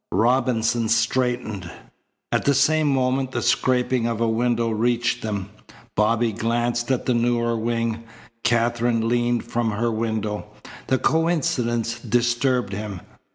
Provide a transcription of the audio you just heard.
Robinson straightened. At the same moment the scraping of a window reached them. Bobby glanced at the newer wing. Katherine leaned from her window. The coincidence disturbed him.